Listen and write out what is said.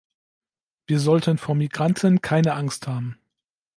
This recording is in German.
Wir sollten vor Migranten keine Angst haben.